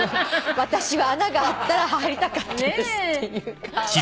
「私は穴があったら入りたかったです」っていう。